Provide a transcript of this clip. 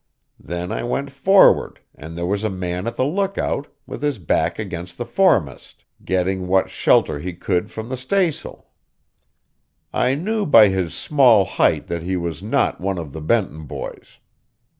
Then I went forward, and there was a man at the lookout, with his back against the foremast, getting what shelter he could from the staysail. I knew by his small height that he was not one of the Benton boys.